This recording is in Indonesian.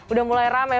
udah mulai rame